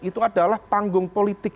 itu adalah panggung politik